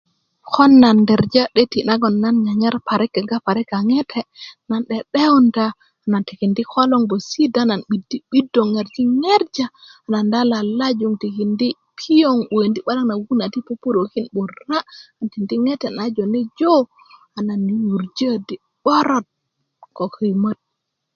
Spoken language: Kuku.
ko nan derjar 'döt naŋ nan nyanyar parik kega parik a ŋete nan 'de'dewunda nan tikindi koloŋ 'bösit a nan 'bidi'bidö aun ŋerjiŋerjá nan laalalaju um tikindi piyon um 'bukäkindi gbalaŋ na kuku na ti pupurukin 'burá um tindi ŋete na a jone jo a nan yurjiyurjä di 'borot ko köyimöt